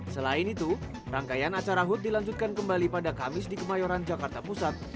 selain itu rangkaian acara hut dilanjutkan kembali pada kamis di kemayoran jakarta pusat